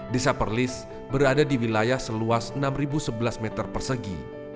desa perlis berada di wilayah seluas enam sebelas meter persegi